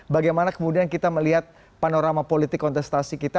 bagaimana kemudian kita melihat panorama politik kontestasi kita